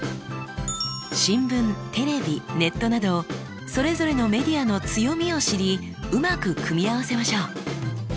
新聞テレビネットなどそれぞれのメディアの強みを知りうまく組み合わせましょう。